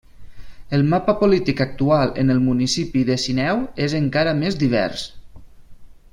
El mapa polític actual en el municipi de Sineu és encara més divers.